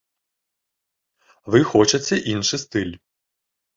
Вы хочаце іншы стыль.